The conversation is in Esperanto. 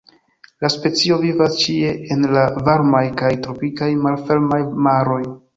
La specio vivas ĉie en la varmaj kaj tropikaj malfermaj maroj.